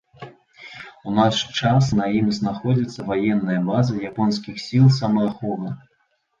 У наш час на ім знаходзіцца ваенная база японскіх сіл самааховы.